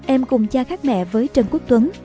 em cùng cha khác mẹ với trần quốc tuấn